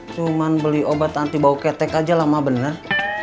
cuman beli obat anti bau ketek aja lama bener